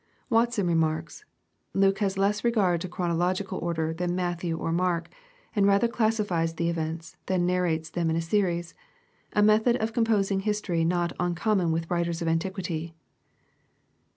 Watson remarks, " Luke has less regard to chronological order than Matthew or Mark, and rather classifies the events, than nar rates them iu a series, — ^a method of composing history not uncom mon with the writers of antiquity."